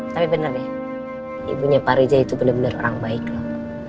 tapi benar deh ibunya pak rija itu benar benar orang baik loh